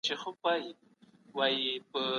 که یو مسلمان ذمي ووژني نو قصاص کیږي.